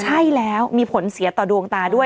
ใช่แล้วมีผลเสียต่อดวงตาด้วย